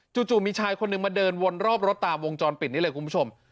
จู่มีชายคนหนึ่งมาเดินวนรอบรถตามวงจรปิดนี้เลยคุณผู้ชม